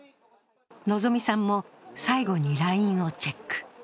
希さんも最後にＬＩＮＥをチェック。